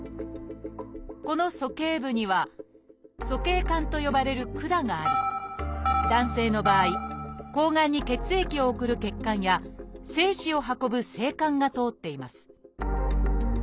この鼠径部には「鼠径管」と呼ばれる管があり男性の場合睾丸に血液を送る血管や精子を運ぶ精管が通っています